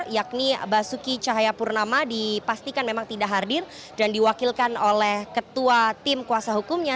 yakni basuki cahayapurnama dipastikan memang tidak hadir dan diwakilkan oleh ketua tim kuasa hukumnya